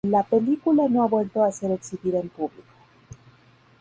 La película no ha vuelto a ser exhibida en público.